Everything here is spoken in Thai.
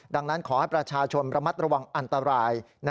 ดังนั้นขอให้ประชาชนระมัดระวังอันตราย